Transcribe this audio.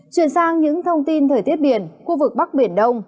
chuyển sang những thông tin thời tiết biển khu vực bắc biển đông